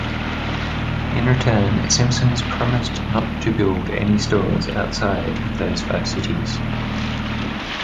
In return, Simpson's promised not to build any stores outside of those five cities.